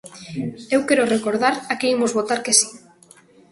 Eu quero recordar a que imos votar que si.